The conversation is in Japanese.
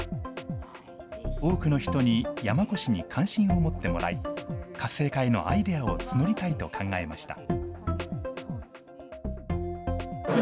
多くの人に山古志に関心を持ってもらい、活性化へのアイデアを募りたいと考えました。